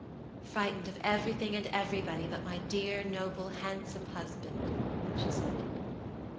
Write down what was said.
"Frightened of everything and everybody but my dear, noble, handsome husband," she said.